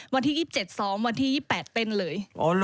วันที่๒๗ซ้อมวันที่๒๘เต้นเลย